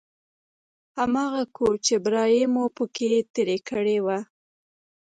هماغه کور چې برايي به مو په کښې تېره کړې وه.